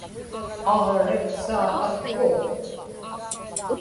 aġriqsaa akku